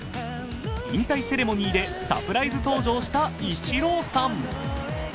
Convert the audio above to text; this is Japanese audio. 引退セレモニーでサプライズ登場したイチローさん。